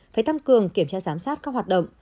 phải tăng cường kiểm tra giám sát các hoạt động